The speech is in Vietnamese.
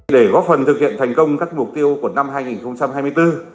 để góp phần thực hiện thành công các mục tiêu của năm hai nghìn hai mươi bốn